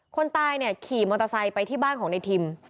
คนตายเนี่ยขี่มอเตอร์ไซค์ไปที่บ้านของในทิม